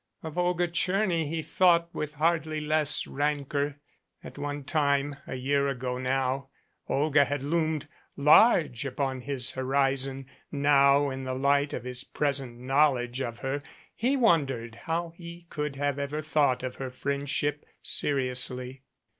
Of Olga Tcherny he thought with hardly less rancor. At THE BRASS BELL one time a year ago now Olga had loomed large upon his horizon. Now in the light of his present knowledge of her he wondered how he could have ever thought of her friendship seriously.